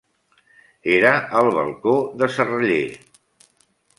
Era el balcó de Serraller.